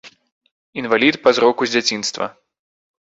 Інвалід па зроку з дзяцінства.